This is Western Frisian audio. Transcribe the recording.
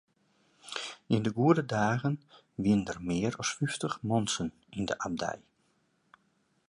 Yn de goede dagen wiene der mear as fyftich muontsen yn de abdij.